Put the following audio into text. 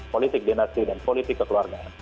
politik dinasti dan politik kekeluargaan